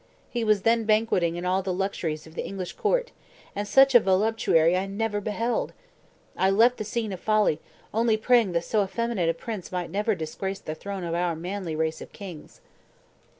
He was then banqueting in all the luxuries of the English court; and such a voluptuary I never beheld! I left the scene of folly, only praying that so effeminate a prince might never disgrace the throne of our manly race of kings."